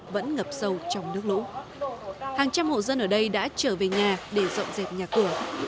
vẫn ngập sâu trong nước lũ hàng trăm hộ dân ở đây đã trở về nhà để dọn dẹp nhà cửa